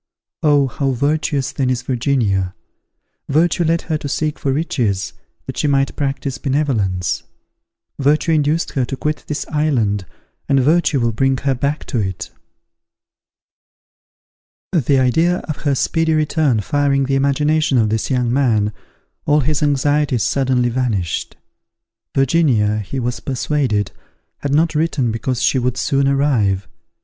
_ Oh! how virtuous, then, is Virginia! Virtue led her to seek for riches, that she might practise benevolence. Virtue induced her to quit this island, and virtue will bring her back to it. The idea of her speedy return firing the imagination of this young man, all his anxieties suddenly vanished. Virginia, he was persuaded, had not written, because she would soon arrive.